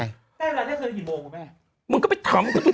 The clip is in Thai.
ใกล้เวลาเที่ยงคืนได้กี่โมงคุณแม่